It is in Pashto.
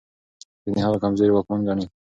ځينې هغه کمزوری واکمن ګڼي.